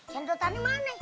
sendok tani mana